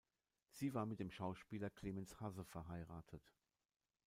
Sie war mit dem Schauspieler Clemens Hasse verheiratet.